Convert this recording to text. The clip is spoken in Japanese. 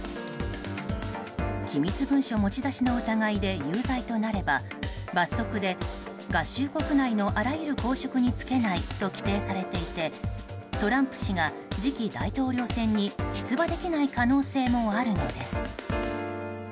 機密文書持ち出しの疑いで有罪となれば罰則で合衆国内のあらゆる公職に就けないと規定されていてトランプ氏が次期大統領選に出馬できない可能性もあるのです。